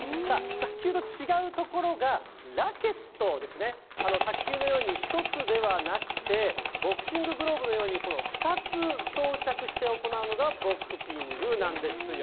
卓球と違うところが、ラケットですね、卓球のように１つではなくて、ボクシンググローブのように、２つ装着して行うのがボクピングなんですよ。